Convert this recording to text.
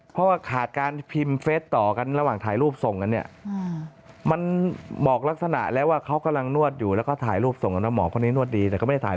เพราะว่าขาดการพิมพ์เฟสต่อกันระหว่างถ่ายรูปส่งกันเนี่ย